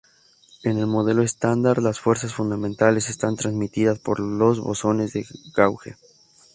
En el modelo estándar, las fuerzas fundamentales están transmitidas por los bosones de gauge.